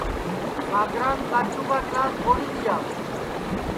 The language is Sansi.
ساگران کاچُو کا گِلاس پھوڑی دؔیا